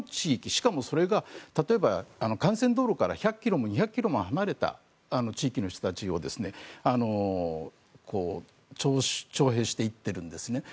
しかもそれが例えば、幹線道路から１００ｋｍも２００ｋｍも離れた地域の人たちを徴兵していっているんですね。